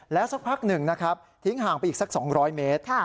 แล้วสักพักหนึ่งนะครับทิ้งห่างไปอีกสัก๒๐๐เมตร